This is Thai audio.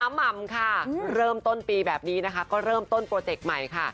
หม่ำค่ะเริ่มต้นปีแบบนี้นะคะก็เริ่มต้นโปรเจกต์ใหม่ค่ะ